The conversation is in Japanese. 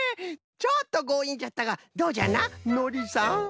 ちょっとごういんじゃったがどうじゃなのりさん？